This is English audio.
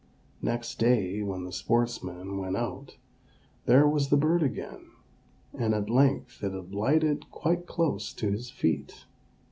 Next day, when the sportsman went out, there was the bird again; and at length it alighted quite close to his feet.